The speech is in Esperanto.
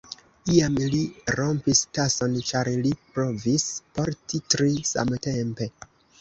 Iam li rompis tason, ĉar li provis porti tri samtempe.